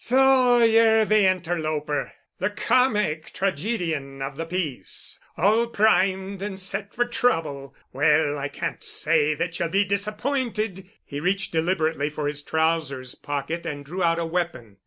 "So ye're the interloper—the comic tragedian of the piece, all primed and set for trouble. Well, I can't say that ye'll be disappointed—" He reached deliberately for his trousers pocket and drew out a weapon.